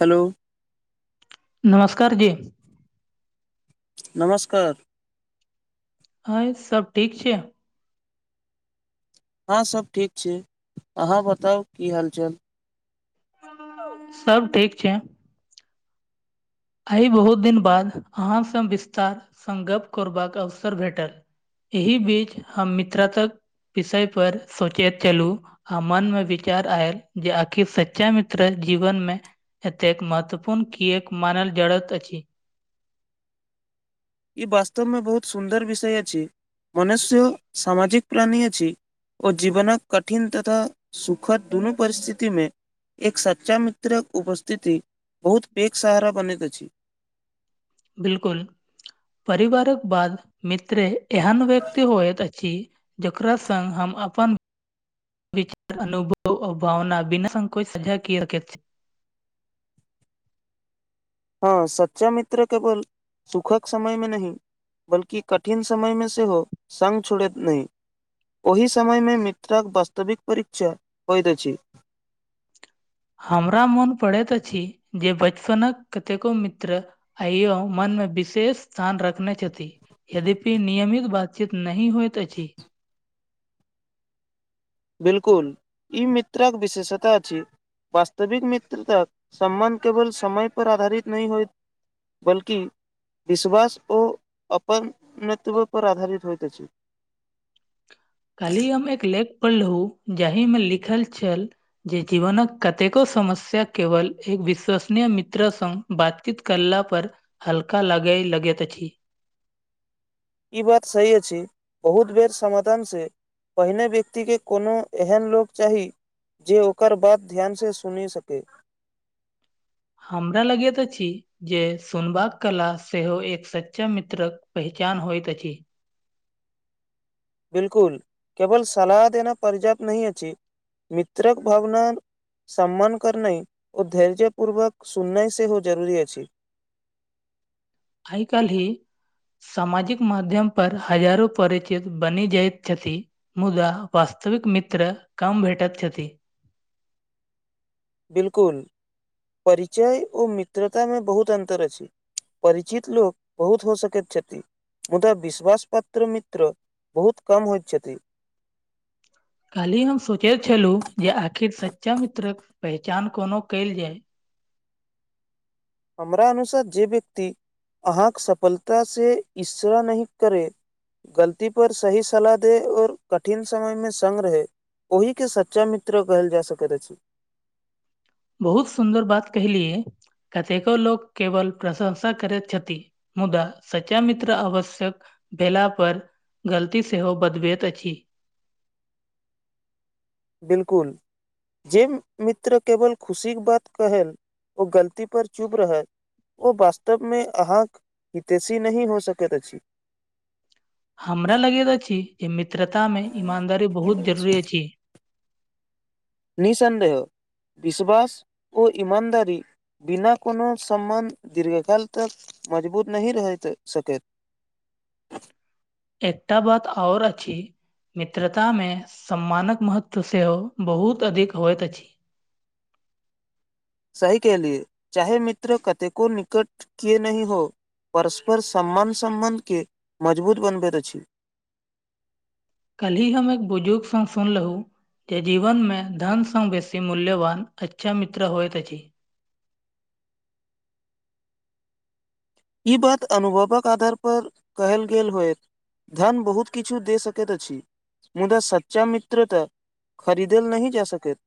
Hello नमस्कार जी नमस्कार अय सब ठीक छै हँ सब ठीक छै अहाँ बताउ की हालचाल सब ठीक छै आय बहुत दिन बाद अहाँसँ विस्तार सङ्ग गप्प करबाक अवसर भेटल एहि बीच हम मित्रताक विषयपर सोचैत छलहुँ आ मन मे विचार आयल जे आखिर सच्चा मित्र जीवन मे एतेक एक महत्वपूर्ण किएक मानल जड़त अछि ई वास्तवमे बहुत सुन्दर विषय अछि मनुष्य सामाजिक प्राणी अछि ओ जीवनक कठिन तथा सुखद दुनू परिस्थितिमे एक सच्चा मित्रक उपस्थिति बहुत पेघ सहारा बनैत अछि बिल्कुल परिवारक बाद मित्रे एहन व्यक्ति होइत अछि जकरा सङ्ग हम अपन विचार अनुभव आ भावना बिना संकोच सजा क सक हँ सच्चा मित्र केवल सुखक समय मे नहि बल्कि कठिन समय मे सेहो संग छोड़ैत नहि ओहि समयमे मित्रक वास्तविक परीक्षा होइत अछि हमरा मोन पड़ैत अछि जे बचपनक कतेको मित्र आइयो मनमे विशेष स्थान रखने छथि यद्यपि नियमित बातचीत नहि होइत अछि बिल्कुल ई मित्रक विशेषता अछि वास्तविक मित्रताक सम्मान केवल समय पर आधारित नहि होय बल्कि विश्वास ओ अपन नेत्व पर आधारित होइत अछि काल्हि हम एक लेख पढ़लहुँ जाहिमे लिखल छल जे जीवनक कतेको समस्या केवल एक विश्वसनीय मित्र संग बातचीत करला पर हल्का लागे लगैत अछि ई बात सही अछि बहुत बेर समाधान से पहिने व्यक्तिके कोनो एहन लोक चाही जे ओकर बात ध्यानसँ सुनि सकै हमरा लगैत अछि जे सुनबाक कला सेहो एक सच्चा मित्रक पहचान होइत अछि बिल्कुल केवल सलाह देना पर्याप्त नहि अछि मित्रक भावना सम्मान करनाइ ओ धैर्य पूर्वक सुननाइ सेहो जरूरी अछि आय काल्हि सामाजिक माध्यम पर हजारो परिचित बनि जाइत छथि मुदा वस्तविक मित्र कम भेटैत छथि बिल्कुल परिचय ओ मित्रता मे बहुत अन्तर अछि परिचित लोक बहुत हो सकैत छथि मुदा विश्वास पात्र मित्र बहुत कम होइत छथि काल्हि हम सोचै छलहु जे आखिर सच्चा मित्रक पहचान कोनो कयल जाय हमरा अनुसार जे व्यक्ति अहाँके सफलतासँ इशरा नहि करै गलती पर सही सलाह दे आओर कठिन समय में संग रहै ओहि के सच्चा मित्र कहल जा सकैत अछि बहुत सुन्दर बात कहलिय कतेको लोक केवल प्रशंसा करैत छथि मुदा सच्चा मित्र आवश्यक भेला पर गलती सेहो बदभेत अछि। बिलकुल जे मित्र केवल खुशीके बात कहै ओ गलतीपर चुभ रहल। ओ वास्तव मे अहाँक हितेशी नहि हो सकैत अछि। हमरा लगैत अछि जे मित्रता मे ईमानदारी बहुत जरुररी अछि। निःसन्देह विश्वास ओ इमानदारी बिना कोनो सम्बन्ध दीर्घकाल तक मजबूत नहि रहि सकैत। एकटा बात आओर अछि मित्रतामे सम्मानक महत्व सेहो बहुत अधिक होइत अछि। सही कलियै चाहे मित्र कतेको निकट किये नहि हो। परस्पर सम्मान सम्बन्धके मजबूत बनबैत अछि। कलहि हम एक बुजुर्ग संग सुनलहु जे जीवनमे धनसँ बेसी मूल्यवान अच्छा मित्र होइत अछि। ई बात अनुभवक आधारपर कहल गेल होयत। धन बहुत किछु दे सकैत अछि, मुदा सच्चा मित्र तऽ खरीदल नहि जा सकैत।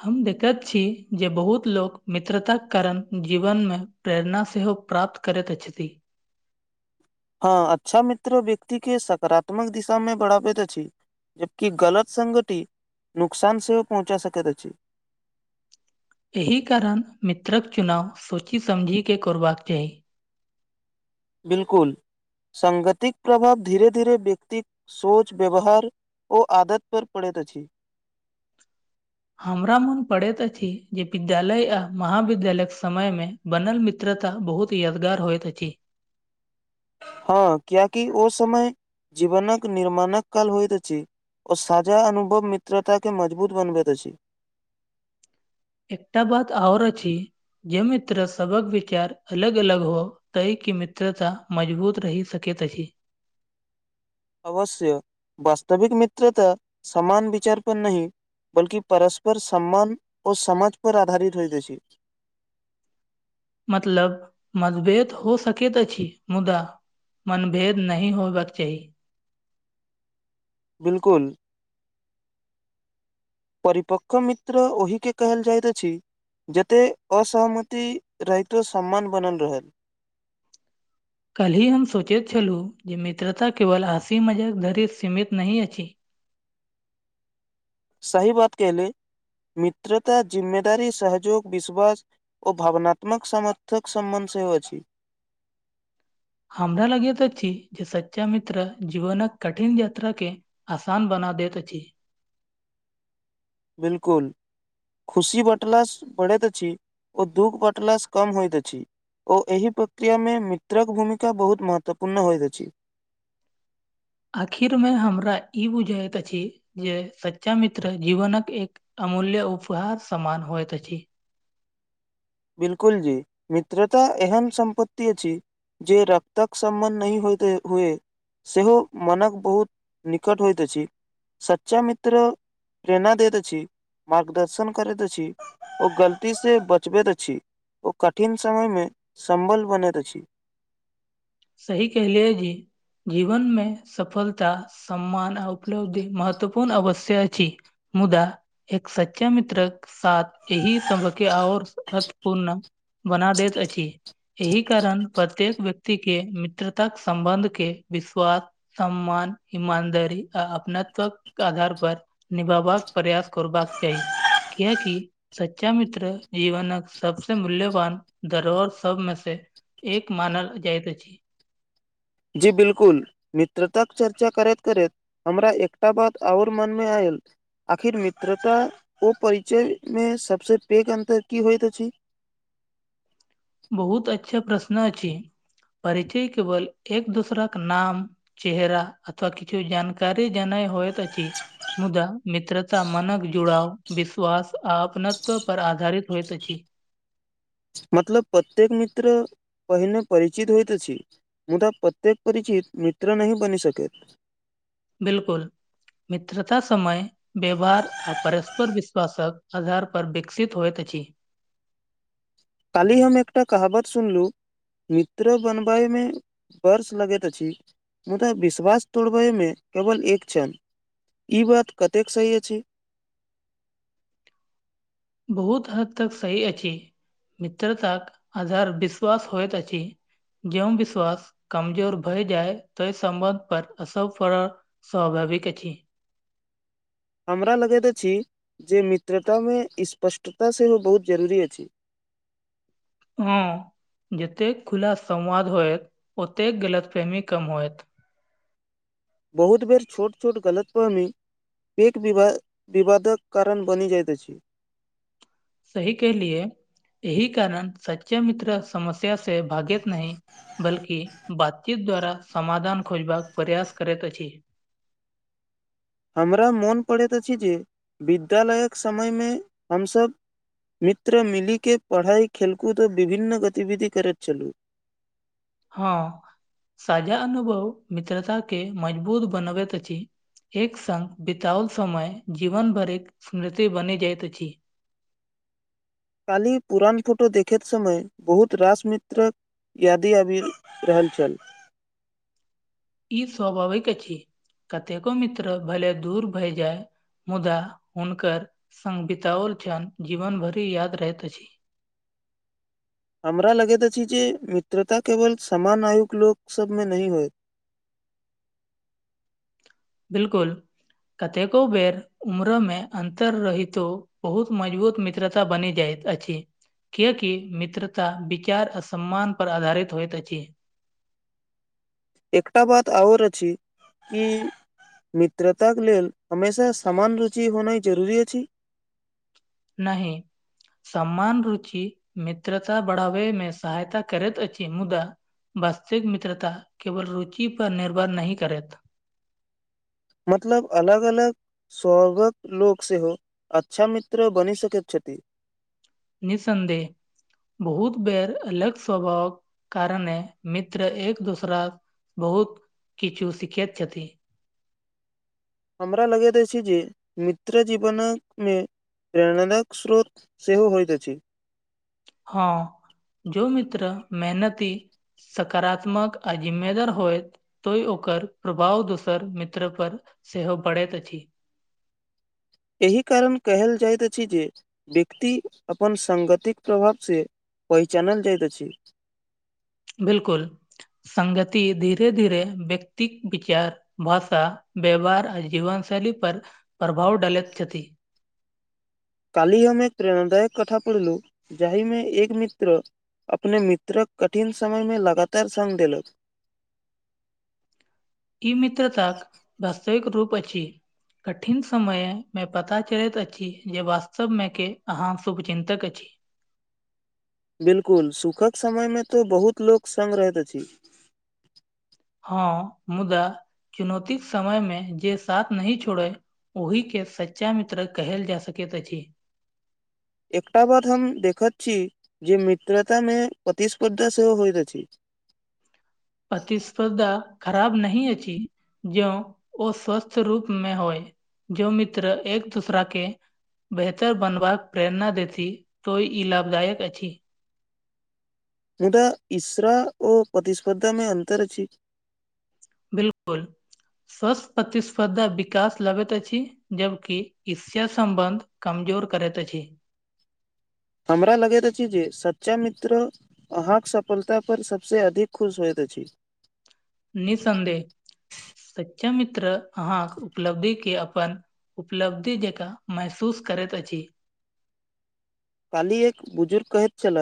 हम देखैत छी जे बहुत लोक मित्रताक कारण जीवनमे प्रेरणा सेहो प्राप्त करैत अछिथि। हँ अच्छा मित्र व्यक्तिके सकारात्मक दिशामे बढ़ाबैत अछि। जबकि गलत संगति नुकसान सेहो पहुँचा सकैत अछि। एहि कारण मित्रक चुनाव सोचि समझिके करबाक चाही। बिलकुल संगतिक प्रभाव धीरे धीरे व्यक्ति सोच व्यवहार ओ आदत पर पड़ैत अछि। हमरा मोन पड़ैत अछि जे विद्यालय आ महाविद्यालयक समय मे बनल मित्रता बहुत यादगार होइत अछि। हँ कियाकि ओ समय जीवनक निर्माणक काल होइत अछि। ओ सााजा अनुभव मित्रता के मजबूत बनबैत अछि। एकटा बात आओर अछि जे मित्र सबक विचार अलग अलग हो तहि के मित्रता मजबूत रहि सकैत अछि। अवश्य वास्तविक मित्र त समान विचारप नहि बल्कि परस्पर सम्मान और समाज पर आधारित होइत अछि। मतलब मतभेद हो सकैत अछि मुदा मनभेद नहि होयबाक चाही। बिलकुल परिपक्क मित्र ओहिके कहल जाइत अछि जते असहमति रहितो सम्मान बनल रहे। कल्हि हम सोचैत छलहुँ जे मित्रता केवल आसी मजक धरि सीमित नहि अछि। सही बात कहलै मित्रता जिम्मेदारी सहजोग विश्वास ओ भावनात्मक समर्थक समबन्ध सेहो अछि। हमरा लगैत अछि जे सच्चा मित्र जीवनक कठिन यात्राके आसान बना दैत अछी। बिलकुल खुशी बँटलास बढ़ैत अछि ओ दुःख बँटलासँ कम होइत अछि। ओ एहि प्रक्रिया मे मित्रक भूमिका बहुत महत्वपूर्ण होइत अछि। आखिर मे हमरा ई बुझाईत अछि जे सच्चा मित्र जीवनक एक अमूल्य उपहार समान होयत अछि। बिलकुल जी मित्रता एहन सम्पत्तति अछी जे रक्तक समबन्ध नहि हो हुए सेहो मनक बहुत निकट होइत अछि, सच्चा मित्र प्रेरणा दैत छी मार्गदर्शन करैत अछि ओ गलती से बचबैत छी ओ कठिन समय मे संबल बनैत अछि सी कहलियै जी जीवन मे सफलता सम्मान आ उपलब्धि महत्वपूर्ण अवश्य अछि मुदा एक सच्चा मित्रक साथ यह सबके आओर अतपूर्ण बना दैत अछि एहि कारण प्रत्येक व्यक्ति के मित्रता सम्बन्ध के विश्वास सम्मान ईमानदारी आ अपनात्व आधार पर निभबाक प्रयास करबाक चाही कएकि सच्चा मित्र जीवनक सबस मूल्यवान धरोहर सबमे से एक मानल जाइतत अछि जी बिलकुल मित्रताक चर्चा करैत करैत हमरा एकटा बात आओर मनमे आयल आखिर मित्रता ओ परिचयमे सभसँ पैघ अन्तर की होइत अछि बहुत अच्छा प्रश्न अछि परिचय केवल एक दूसराक नाम चेहेरा अथवा किछु जानकारी जा होइत छी मुदा मित्रता मनक जुड़ाव विश्वास आ अपनत्व पर आधारित होइत अछि मतलब प्रत्येक मित्र पहिने परिचित होइत अछि मुदा प्रत्येक परिचित मित्र नहि बनि सकैत बिलकुल मित्रता समय व्यवहार आ परस्पर विश्वासक आधार पर विकसित होइत अछि काली हम एकटा कहावत सुनलहुँ मित्र बनबैमे वर्ष लगैत अछि मुदा विश्वास तोड़बैमे केवल एक छनि ई बात कतेक सही अछि बहुत हद तक सही अछि मित्रतााक आधार विश्वास होयइत अछि ज्यों विश्वास कमजोर भय जाय तोहि सम्बन्ध पर असर पर स्वाभाविक छी हमरा लगैत अछि जे मित्रतामे स्पष्टता सेहो बहुत जरूरी अछि हँ जतेक खुला संवाद होएत ओतेक गलत प्रेमी कम होएत बहुत बेर छोट छोट गलत फहमी एक वि विवादक कारण बनि जाइत अछि सही के लिए यही कारण सच्चा मित्र समस्या से भागैत नहि बल्कि बातचीत द्वारा समाधान खोजबाक प्रयास करैत अछि हमरा मोन पड़ैत अछि जे विद्यालयक समयमे हमसभ मित्र मिलिके पढ़ाइ खेलकूद विभिन्न गतिविधि करैत चलु हँ साझा अनुभव मित्रता के मजबूत बनबैत अछि एक सङ्ग बितओल समय जीवन भरिक स्मृति बनि जाइत अछि काली पुरान फोटो देखे समय बहुत रास मित्रक यादी आबि रहल छल ई स्वाभाविक अछि कतेको मित्र भले दूर भय जाय मुदा हुनकर सङ् बिताओल कण जीवन भरि याद रहैत अछि हमरा लगैत अछि जे मित्रता केवल समान आयुक लोक सबमे नही होय बिलकुल कतेको बेेर उम्र मे अन्तर रहितो बहुत मजबूत मित्रता बनि जाइत अछि किएकि मित्रता विचार आ सम्मानपर आधारित होइत अछि एकटा बात आओर अछि कि मित्रताक लेल हमेशा समान रुचि होनाइ जरूरी अछि नहि सम्मान रुचि मित्रता बढ़ावैमे सहायता करैत अछि मुदा वास्तिक मित्रता केवल रुचि पर निर्भर नहि करेत मतलब अलग अलग सगक लोकोक सेहोे सेहो अच्छामित्र बनि सकैतछति निःसन्देह बहुत बेर अलग स्वभावक कारने मित्र एक दोसरा बहुत किछु सीख छथि हमरा लगैत अछि जे मित्र जीवनक मे प्रेरणादायक स्रोत सेहो होइत अछि हँ जो मित्र मेहनती सकारात्मक आ जिम्मेदार होयत तो ओकर प्रभाव दोसर मित्र पर सेहो परैत अछि एहि कारण कहल जाइत अछि जे व्यक्ति अपन सङ्गतिक प्रभावसँ पहिचानल जाइत अछि बिलकुल सगति धीरे धीरे व्यक्तिक विचार भाषा बे बार आ जीवनशैली पर प्रभाव डालैत छथि काली हममे एक प्रेरणादायक कथा पढ़लु जाहिमे एक मित्र अपने मित्रक कठिन समयमे लगातार सङ्ग देलक ई मित्रतााक वास्तविक रूप अछि कठिन समयमे पता चलैत अछि जे वास्तवमेके अहाँ शुभचिन्तक छी बिलकुल सुखक समय मे तऽ बहुत लोक सङ् रहैत अछि हँ मुदा चुनौती समय मे जे साथ नहि छोड़े ओहि के सच्चा मित्र कहल जा सकैत अछि एकटा बात हम देखैत छी जे मित्रता मे प्रतिस्पर्धा सेहो होइत अछि प्रतिस्पर्धा खराब नही अछि ज्यों ओ स्वस्थ रूप मे होय जो मित्र एक दूसरा के बेहतर बनबाक प्रेरणा देथि तो ई लाभदायक अछि मु तऽ इश्रा ओ प्रतिस्पर्धामे अन्तर छी बिलकुल स्वस्थ प्रतिस्पर्धा विकास लगैत अछि जबकि ईर्ष्या सम्बन्ध कमजोर करैत अछि हमरा लगैत अछि जे सच्चा मित्र अहाँक सफलता पर सभसँ अधिक खुश होइत अछि निसन्देह सच्चा मित्र अहाँके उपलब्धिके अपन उपलब्धि जेका महसूस करैत अछि कलिह एक बुजुर्ग कहैत छलाह